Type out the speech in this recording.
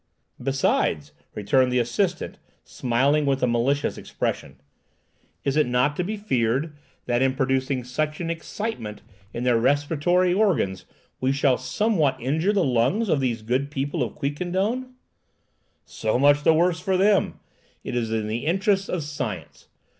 "Besides," returned the assistant, smiling with a malicious expression, "is it not to be feared that, in producing such an excitement in their respiratory organs, we shall somewhat injure the lungs of these good people of Quiquendone?" "So much the worse for them! It is in the interests of science.